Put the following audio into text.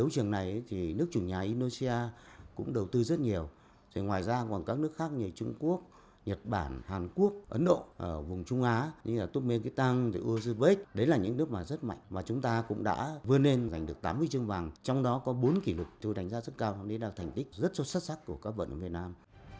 các vận động viên của việt nam chỉ tham gia thi đấu bảy trên một mươi tám môn thi đấu với tám huy chương vàng trong đó có bốn kỷ lục cũ đánh giá rất cao để đạt thành tích rất xuất sắc của các vận động viên việt nam